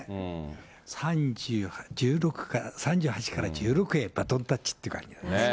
３８から１６へバトンタッチという感じだね。